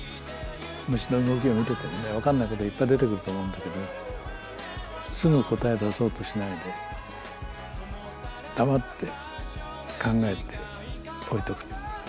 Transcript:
虫の動きを見ててもね分かんないこといっぱい出てくると思うんだけどすぐ答え出そうとしないで黙って考えて置いとく。